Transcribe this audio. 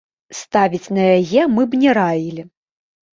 Ставіць на яе мы б не раілі.